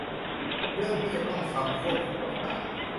เรื่องที่จะต้องทำควบคู่กับการ